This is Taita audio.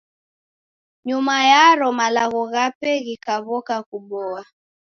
Nyuma yaro malagho ghape ghikaw'oka kuboa.